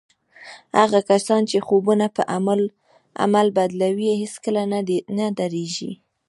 هغه کسان چې خوبونه پر عمل بدلوي هېڅکله نه درېږي